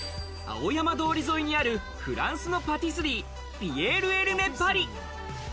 青山通り沿いにあるフランスのパティスリー、ピエール・エルメ・パリ。